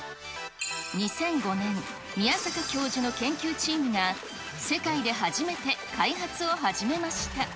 ２００５年、宮坂教授の研究チームが、世界で初めて開発を始めました。